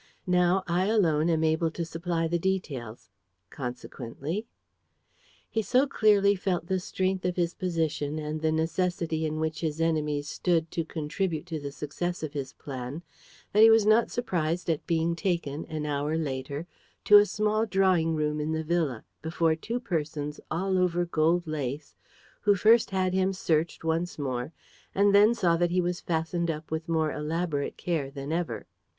Now I alone am able to supply the details. Consequently ..." He so clearly felt the strength of his position and the necessity in which his enemies stood to contribute to the success of his plan that he was not surprised at being taken, an hour later, to a small drawing room in the villa, before two persons all over gold lace, who first had him searched once more and then saw that he was fastened up with more elaborate care than ever.